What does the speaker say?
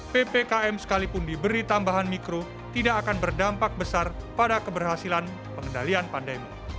ppkm sekalipun diberi tambahan mikro tidak akan berdampak besar pada keberhasilan pengendalian pandemi